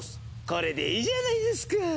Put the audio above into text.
これでいいじゃないですかぁ！